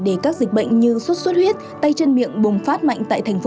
để các dịch bệnh như sốt xuất huyết tay chân miệng bùng phát mạnh tại thành phố